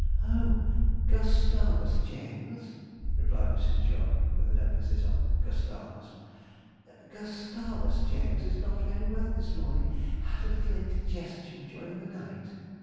'Oh, Gustavus James,' replied Mrs. Jog, with an emphasis on Gustavus; 'Gustavus James is not very well this morning; had a little indigestion during the night.'